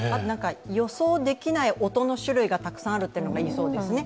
予想できない音の種類がたくさんあるっていうのがいいそうですね。